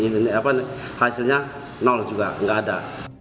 dan hasilnya nol juga nggak ada